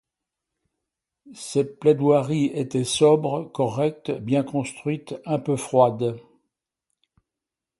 Ses plaidoiries étaient sobres, correctes, bien construites, un peu froides.